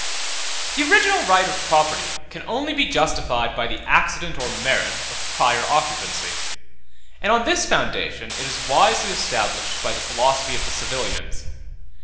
The original right of property can only be justified by the accident or merit of prior occupancy; and on this foundation it is wisely established by the philosophy of the civilians.